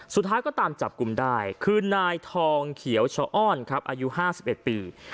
สุดท้ายก็ตามจับกลุ่มได้คือนายทองเขียวชะอ้อนครับอายุ๕๑ปี